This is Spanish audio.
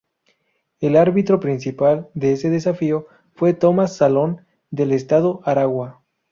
El árbitro principal de ese desafío fue Tomas Salón, del estado Aragua.